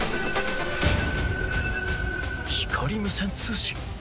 光無線通信？